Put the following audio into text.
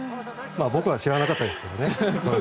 僕は知らなかったですけどね。